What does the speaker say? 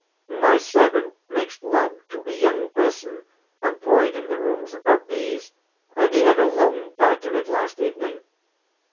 My servant makes love to a young person employed in the rooms above these, and he had a long bout of it last evening.